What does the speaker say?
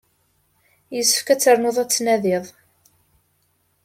Yessefk ad ternuḍ ad tnadiḍ.